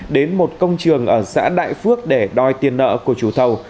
đến một công trường ở xã đại phước để đòi tiền nợ của chủ thầu